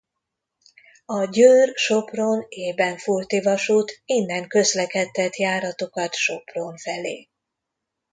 A Győr–Sopron–Ebenfurti Vasút innen közlekedtet járatokat Sopron felé.